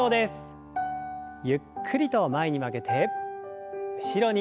ゆっくりと前に曲げて後ろに。